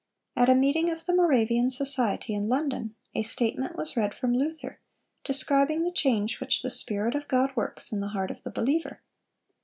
At a meeting of the Moravian society in London, a statement was read from Luther, describing the change which the Spirit of God works in the heart of the believer.